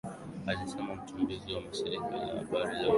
Alisema mchambuzi wa shirika la habari la Uingereza Barry Davies